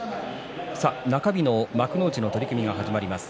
中日での幕内の取組が始まります。